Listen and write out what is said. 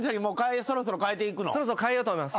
そろそろ変えようと思います。